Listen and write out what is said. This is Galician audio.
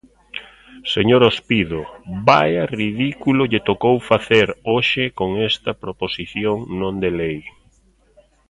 Señor Ospido, ¡vaia ridículo lle tocou facer hoxe con esta proposición non de lei!